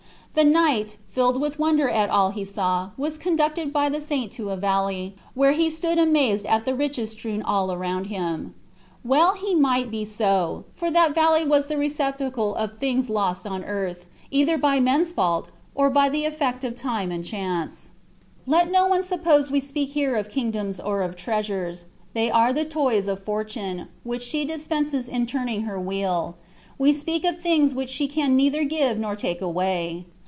The knight, filled with wonder at all he saw, was conducted by the saint to a valley, where he stood amazed at the riches strewed all around him. Well he might be so, for that valley was the receptacle of things lost on earth, either by men's fault, or by the effect of time and chance. Let no one suppose we speak here of kingdoms or of treasures; they are the toys of Fortune, which she dispenses in turning her wheel; we speak of things which she can neither give nor take away.